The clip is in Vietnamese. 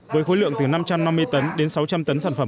với khối lượng từ năm trăm năm mươi tấn đến sáu trăm linh tấn sản phẩm